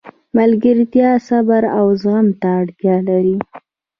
ملګرتیا صبر او زغم ته اړتیا لري.